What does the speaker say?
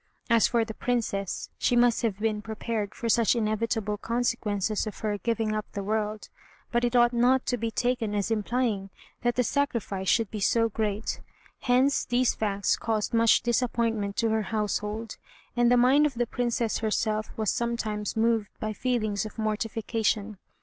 As for the Princess, she must have been prepared for such inevitable consequences of her giving up the world; but it ought not to be taken as implying that the sacrifice should be so great. Hence these facts caused much disappointment to her household, and the mind of the Princess herself was sometimes moved by feelings of mortification.